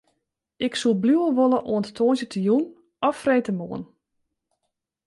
Ik soe bliuwe wolle oant tongersdeitejûn of freedtemoarn.